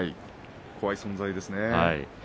怖い存在ですね。